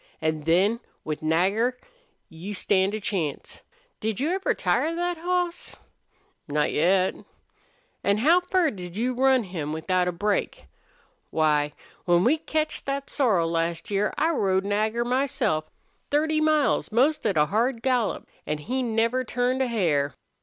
An' then, with Nagger, you stand a chance. Did you ever tire thet hoss?" "Not yet." "An' how fur did you ever run him without a break? Why, when we ketched thet sorrel last year I rode Nagger myself thirty miles, most at a hard gallop. An' he never turned a hair!"